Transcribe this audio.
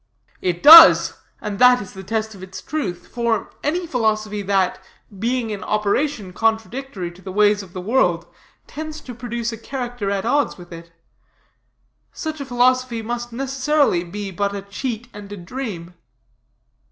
"It does; and that is the test of its truth; for any philosophy that, being in operation contradictory to the ways of the world, tends to produce a character at odds with it, such a philosophy must necessarily be but a cheat and a dream."